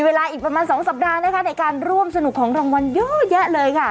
เวลาอีกประมาณ๒สัปดาห์นะคะในการร่วมสนุกของรางวัลเยอะแยะเลยค่ะ